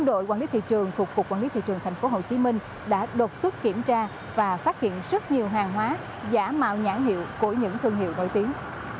năm đội quản lý thị trường thuộc cục quản lý thị trường thành phố hồ chí minh đã đột xuất kiểm tra và phát hiện rất nhiều hàng hóa giả mạo nhãn hiệu của những thương hiệu nổi tiếng